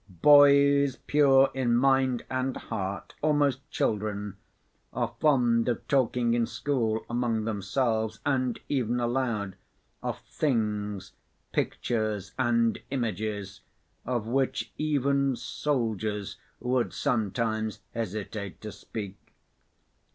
Boys pure in mind and heart, almost children, are fond of talking in school among themselves, and even aloud, of things, pictures, and images of which even soldiers would sometimes hesitate to speak.